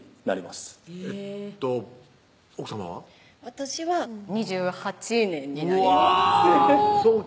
私は２８年になりますうわ